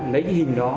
lấy cái hình đó